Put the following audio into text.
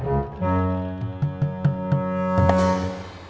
sebelum merasa takut